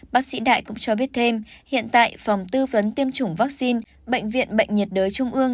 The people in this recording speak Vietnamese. bác sĩ đại cũng cho biết thêm hiện tại phòng tư vấn tiêm chủng vaccine bệnh viện bệnh nhiệt đới trung ương